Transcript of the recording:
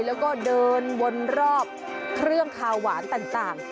แล้วก็เดินวนรอบเครื่องคาวหวานต่าง